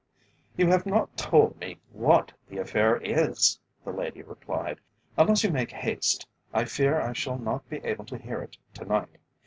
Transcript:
"You have not told me what the affair is," the lady replied. "Unless you make haste, I fear I shall not be able to hear it to night.